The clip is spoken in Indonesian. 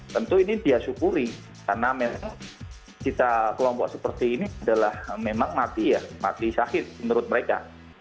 tentu ini dia syukuri karena memang cita kelompok seperti ini adalah memang mati ya mati sakit menurut mereka